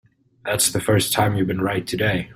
That's the first time you've been right today.